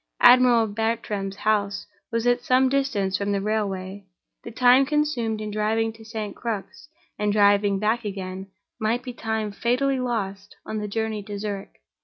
Admiral Bartram's house was at some distance from the railway; the time consumed in driving to St. Crux, and driving back again, might be time fatally lost on the journey to Zurich.